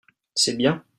c'est bien.